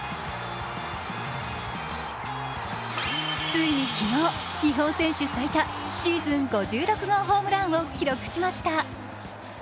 ついに昨日、日本選手最多、シーズン５６号ホームランを記録しました。